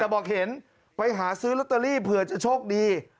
แต่บอกเห็นไปหาซื้อลอตเตอรี่เผื่อจะโชคดี